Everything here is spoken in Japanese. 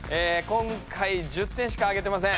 今回１０点しかあげてません。